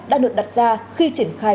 đã được đặt ra khi triển khai